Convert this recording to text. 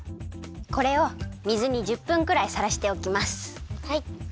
これを水に１０分くらいさらしておきます。